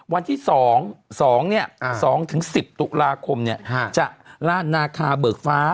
วันที่๒๒๑๐ตุลาคมจะลาดนาคาเบิกฟ้า